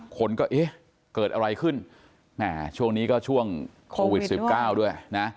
คนก็เกิดอะไรขึ้นช่วงนี้ก็ช่วงโควิด๑๙ด้วย